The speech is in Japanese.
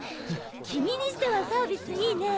君にしてはサービスいいね。